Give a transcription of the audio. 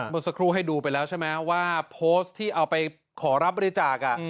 เมื่อสักครู่ให้ดูไปแล้วใช่ไหมว่าโพสต์ที่เอาไปขอรับบริจาค